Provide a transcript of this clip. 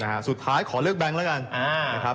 ตัวสุดท้ายคอเลือกแบงค์ล่ะกัน